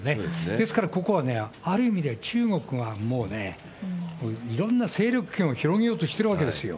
ですから、ここはね、ある意味では中国がもうね、もういろんな勢力圏を広げようとしてるわけですよ。